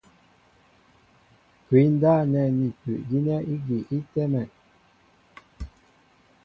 Kwǐ ndáp nɛ́ ni ipu' gínɛ́ ígi í tɛ́mɛ.